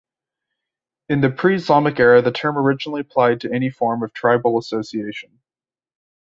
In the pre-Islamic era the term originally applied to any form of tribal association.